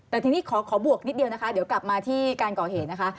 แต่ทีนี้ขอบวกนิดเดียวนะคะเดี๋ยวกลับมาที่การก่อเหตุนะคะ